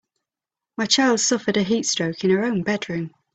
My child suffered a heat stroke in her own bedroom.